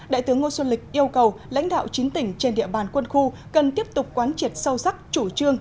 đại tướng ngô xuân lịch yêu cầu lãnh đạo chín tỉnh trên địa bàn quân khu cần tiếp tục quán triệt sâu sắc chủ trương